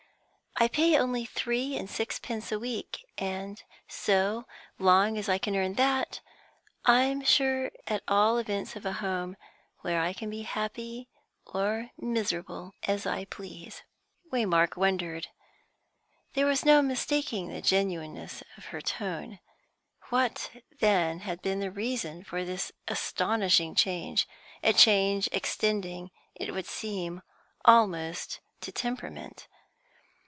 I pay only three and sixpence a week, and so long as I can earn that, I'm sure at all events of a home, where I can be happy or miserable, as I please." Waymark wondered. There was no mistaking the genuineness of her tone. What, then, had been the reason for this astonishing change, a change extending, it would seem, almost to temperament?